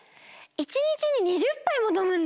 １日に２０ぱいものむんだ！